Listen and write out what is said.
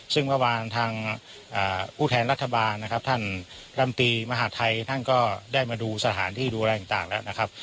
ซึ่งเมื่อวานทางผู้แทนรัฐบาลนะครับท่านลำตีมหาธัยท่านก็ได้มาดูสถานที่ดูแลต่างแล้วนะครับ